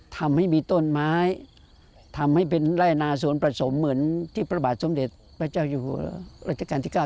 ทำให้มีต้นไม้ทำให้เป็นไร่นาสวนผสมเหมือนที่พระบาทสมเด็จพระเจ้าอยู่หัวรัชกาลที่๙